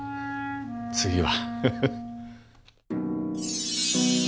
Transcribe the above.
次は。